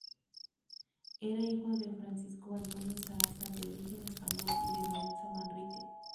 Era hijo de Francisco Antonio Zaraza, de origen español y de Lorenza Manrique.